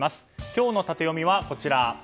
今日のタテヨミは、こちら。